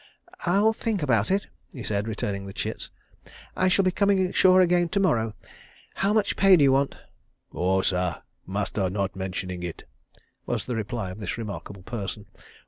"I'll think about it," he said, returning the chits. "I shall be coming ashore again to morrow. ... How much pay do you want?" "Oh, sah! Master not mentioning it!" was the reply of this remarkable person.